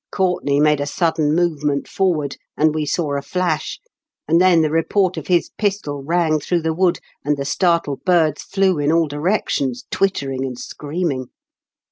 Courtenay ^ made a sudden movement forward, and we saw a flash, and then the report of his pistol rang through the wood, and the startled birds flew in all directions twittering and screaming.